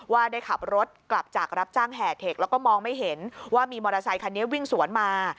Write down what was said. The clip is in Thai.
ว่าได้ขับรถกลับจากรับจ้างแห่เทคแล้วก็มองไม่เห็นว่ามีมอเตอร์ไซคันนี้วิ่งสวนมา